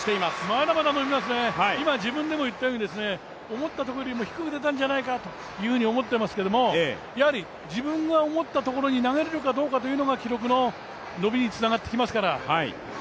まだまだ伸びますね、今自分でも言ったように思ったところよりも低く出たんじゃないかなと思っていますが、やはり自分が思ったところに投げれるかどうかというのが記録の伸びにつながってきますから。